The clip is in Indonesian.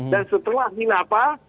dan setelah khilafah